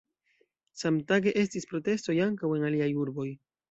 Samtage estis protestoj ankaŭ en aliaj urboj.